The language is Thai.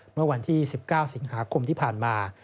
เมื่อวันที่๑๙สิงหาคมที่ผ่านมา